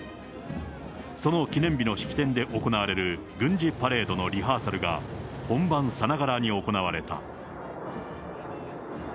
その記念日の式典で行われる軍事パレードのリハーサルが、本番さながらに行われた。